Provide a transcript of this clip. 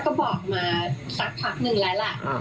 ก็บอกมาสักพักหนึ่งแล้วล่ะ